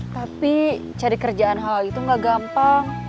tapi cari kerjaan halal itu nggak gampang